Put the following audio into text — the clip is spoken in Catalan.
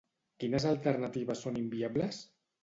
Quines alternatives són inviables?